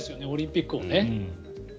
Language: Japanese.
オリンピックをね。